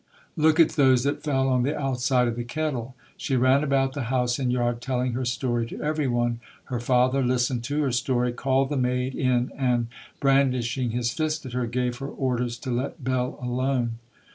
Look at those that fell on the outside of the kettle!" She ran about the house and yard telling her story to every one. Her father listened to her story, called the maid in and, brandishing his fist at her, gave her orders to let Bell alone.